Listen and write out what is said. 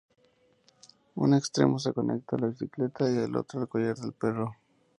Un extremo se conecta a la bicicleta y el otro al collar del perro.